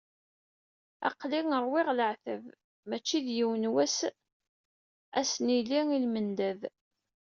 Aql-i ṛwiɣ leεtab, mačči d yiwen wass ad asen-nili i lmendad.